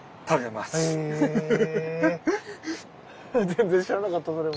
全然知らなかったそれも。